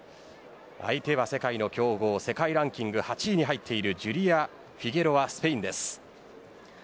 相手は世界の強豪世界ランキング８位に入っているジュリア・フィゲロアスペインです。